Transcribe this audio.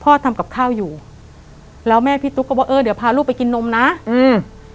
ทำกับข้าวอยู่แล้วแม่พี่ตุ๊กก็บอกเออเดี๋ยวพาลูกไปกินนมนะอืม